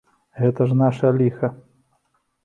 Гэта ж наша ліха.